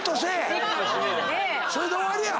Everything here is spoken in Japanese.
それで終わりや！